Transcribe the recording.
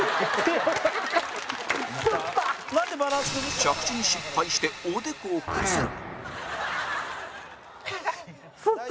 着地に失敗しておでこを、こするすった！